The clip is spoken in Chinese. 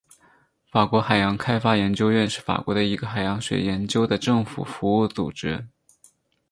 法国海洋开发研究院是法国的一个海洋学研究的政府服务组织。